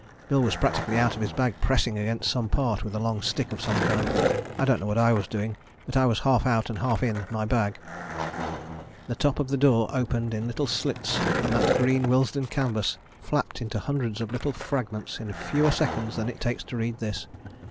Bill was practically out of his bag pressing against some part with a long stick of some kind. I don't know what I was doing but I was half out of and half in my bag. The top of the door opened in little slits and that green Willesden canvas flapped into hundreds of little fragments in fewer seconds than it takes to read this.